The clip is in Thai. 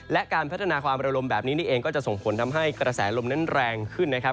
และการพัฒนาความระลมแบบนี้นี่เองก็จะส่งผลทำให้กระแสลมนั้นแรงขึ้นนะครับ